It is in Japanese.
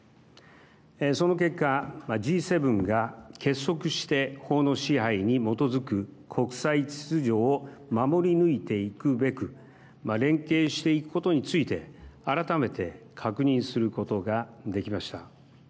その結果Ｇ７が結束して、法の支配に基づく国際秩序を守り抜いていくべく連携していくことについて改めて確認することができました。